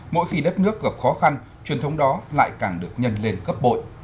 mỗi khi đất nước gặp khó khăn truyền thống đó lại càng được nhân lên cấp bội